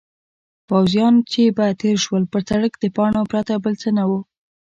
پوځیان چې به تېر شول پر سړک د پاڼو پرته بل څه نه وو.